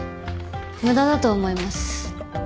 無駄だと思います。